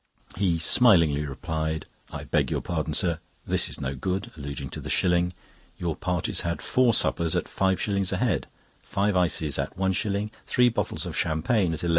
He smilingly replied: "I beg your pardon, sir, this is no good," alluding to the shilling. "Your party's had four suppers at 5s. a head, five ices at 1s., three bottles of champagne at 11s.